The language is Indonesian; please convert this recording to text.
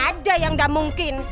ada yang gak mungkin